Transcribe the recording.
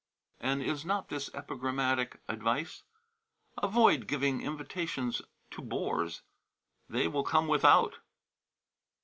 And is not this epigrammatic advice? "Avoid giving invitations to bores they will come without."